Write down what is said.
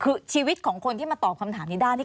คือชีวิตของคนที่มาตอบคำถามนิด้านี่